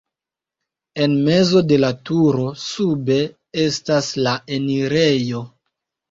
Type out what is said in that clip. En mezo de la turo sube estas la enirejo.